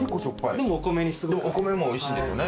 お米もおいしいんですよね？